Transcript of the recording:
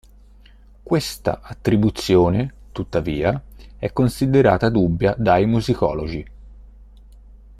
Questa attribuzione, tuttavia, è considerata dubbia dai musicologi.